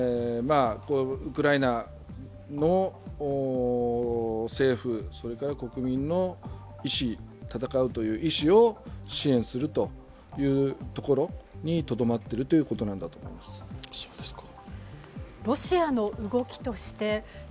ウクライナの政府それから国民の戦うという意思を支援するというところにとどまっているということなんだと思います。